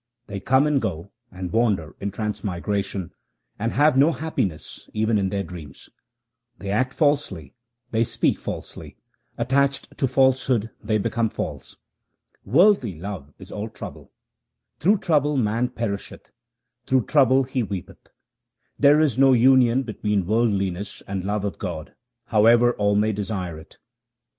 They come and go and wander in transmigration, and have no happiness even in their dreams. They act falsely ; they speak falsely ; attached to false hood they become false. Worldly love is all trouble ; through trouble man perish eth ; through trouble he weepeth. There is no union between worldliness and love of God, however all may desire it.